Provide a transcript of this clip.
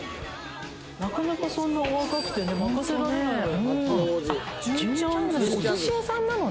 なかなかそんなにお若くて任せられないわよ。